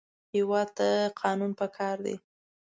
هېواد ته قانون پکار دی